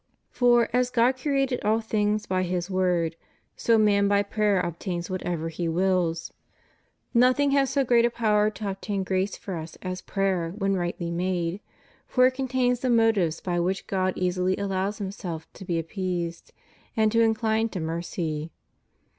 For, as God created all things by His word, so man by prayer obtains whatever he wills. Nothing has so great a power to obtain grace for us as prayer when rightly made; for it contains the motives by which God easily allows HimseK to be appeased and to incline to mercy.